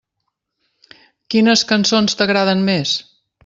Quines cançons t'agraden més?